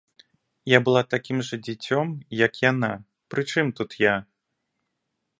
Я была такім жа дзіцём, як яна, прычым тут я?!